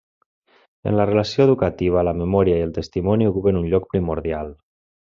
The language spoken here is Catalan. En la relació educativa la memòria i el testimoni ocupen un lloc primordial.